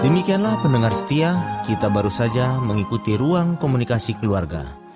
demikianlah pendengar setia kita baru saja mengikuti ruang komunikasi keluarga